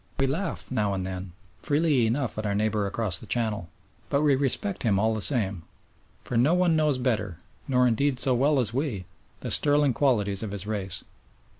We laugh, now and then, freely enough at our neighbour across the Channel, but we respect him all the same, for no one knows better nor, indeed, so well as we the sterling qualities of his race.